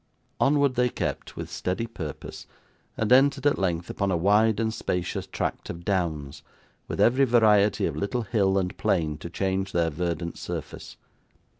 Onward they kept, with steady purpose, and entered at length upon a wide and spacious tract of downs, with every variety of little hill and plain to change their verdant surface.